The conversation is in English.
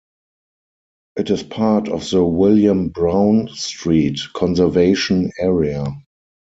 It is part of the William Brown Street conservation area.